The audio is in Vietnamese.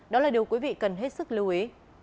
đó là điều quý vị cần hết sức lưu ý